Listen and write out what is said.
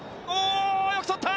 よく捕った。